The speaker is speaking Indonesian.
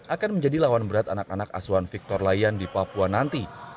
akan menjadi lawan berat anak anak asuhan victor layan di papua nanti